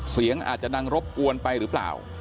เสียงอาจจะดังรบกวนไปหรือเปล่า